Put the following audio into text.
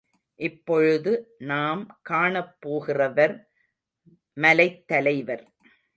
இப்பொழுது நாம் காணப்போகிறவர் மலைத்தலைவர்.